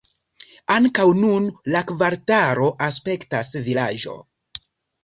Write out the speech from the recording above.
Ankaŭ nun la kvartalo aspektas vilaĝo.